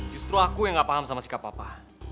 justru aku yang gak paham sama sikap papa